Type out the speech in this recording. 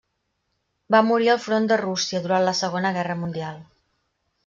Va morir al front de Rússia durant la Segona Guerra Mundial.